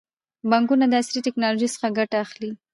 بانکونه د عصري ټکنالوژۍ څخه ګټه اخلي.